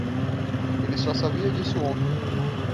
Ele só sabia disso ontem.